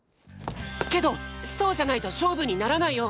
けどそうじゃないと勝負にならないよ。